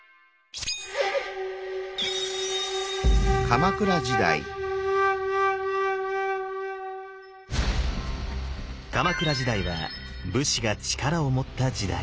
鎌倉時代は武士が力を持った時代。